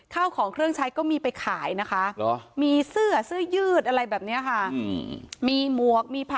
ข้าวของเครื่องใช้ก็มีไปขายนะคะ